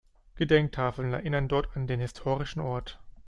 Gedenktafeln erinnern dort an den historischen Ort.